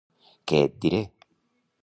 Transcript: Què et diré!